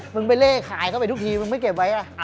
มึงไปเล่ขายเข้าไปทุกทีมึงไม่เก็บไว้